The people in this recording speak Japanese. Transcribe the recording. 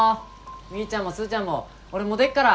みーちゃんもスーちゃんも俺もう出っから！